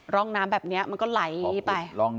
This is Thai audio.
ร่องน้ำแบบนี้มันก็ไหลไป